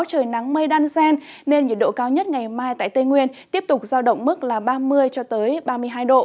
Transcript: trời nắng mây đăn xen nên nhiệt độ cao nhất ngày mai tại tây nguyên tiếp tục giao động mức là ba mươi ba mươi hai độ